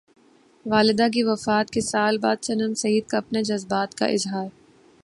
والدہ کی وفات کے سال بعد صنم سعید کا اپنے جذبات کا اظہار